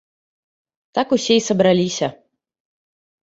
Так усе і сабраліся.